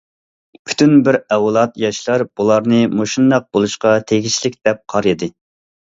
پۈتۈن بىر ئەۋلاد ياشلار بۇلارنى مۇشۇنداق بولۇشقا تېگىشلىك دەپ قارىدى.